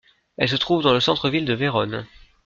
Elle se trouve dans le centre-ville de Vérone.